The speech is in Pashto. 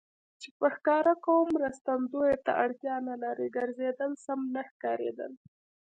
چې په ښکاره کوم مرستندویه ته اړتیا نه لري، ګرځېدل سم نه ښکارېدل.